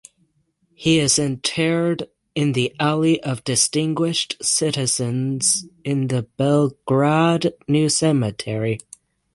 He is interred in the Alley of Distinguished Citizens in the Belgrade New Cemetery.